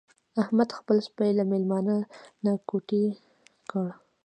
احمد خپل سپی له مېلمانه نه کوتې کړ.